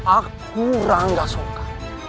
aku rangga soka